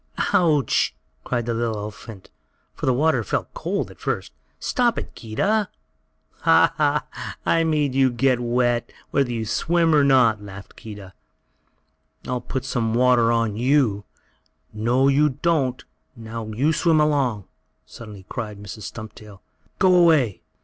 "Ouch!" cried the little elephant baby, for the water felt cold, at first. "Stop it, Keedah!" "Ha! Ha! I made you get wet, whether you swim or not!" laughed Keedah. "I'll put some more water on you!" "No you don't! Now you swim along!" suddenly cried Mrs. Stumptail. "Get away!"